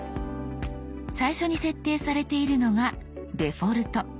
最初に設定されているのが「デフォルト」。